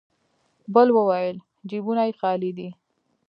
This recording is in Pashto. بل وويل: جيبونه يې خالي دی.